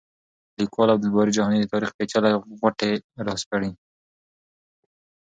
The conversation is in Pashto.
لیکوال عبدالباري جهاني د تاریخ پېچلې غوټې راسپړي.